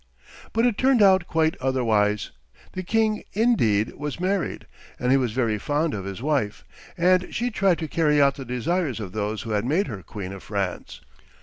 But it turned out quite otherwise. The king, indeed, was married, and he was very fond of his wife, and she tried to carry out the desires of those who had made her queen of France.